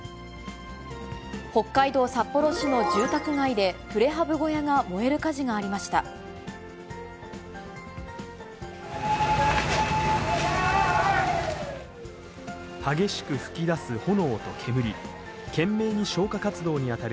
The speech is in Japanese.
北海道札幌市の住宅街で、プレハブ小屋が燃える火事がありました。